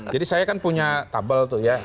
jadi saya kan punya tabel tuh ya